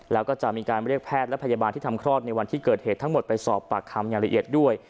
แล้วก็จะมีการเรียกแพทย์และพยาบาลที่ทำคลอดในวันที่เกิดเหตุทั้งหมดไปสอบปากคำอย่างละเอียดด้วย